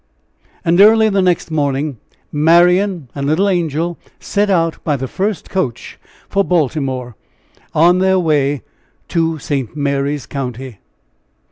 And early the next morning Marian and little Angel set out by the first coach for Baltimore, on their way to St. Mary's County.